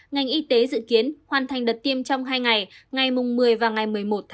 ngành y tế dự kiến hoàn thành đợt tiêm trong hai ngày ngày một mươi một mươi một một mươi một